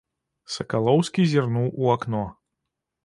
Сакалоўскі зірнуў у акно.